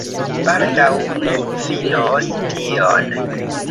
Baldaŭ ni finos tion